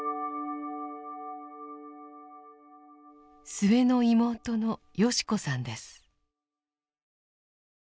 末の妹の良子さんです。